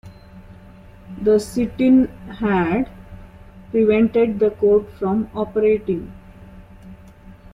The sit-in had prevented the court from operating.